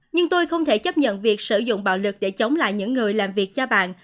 nhưng tôi không thể chấp nhận việc sử dụng bạo lực để chống lại những người làm việc cho bạn